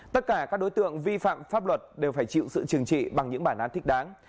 tất cả các đối tượng vi phạm pháp luật đều phải chịu sự trừng trị bằng những bản án thích đáng